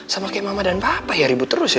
sama kayak mama dan papa ya ribut terus ya